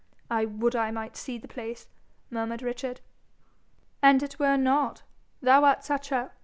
'I would I might see the place!' murmured Richard. 'An' it were not thou art such a